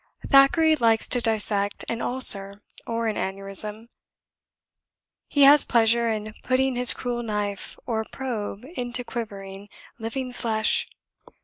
Thackeray likes to dissect an ulcer or an aneurism; he has pleasure in putting his cruel knife or probe into quivering, living flesh.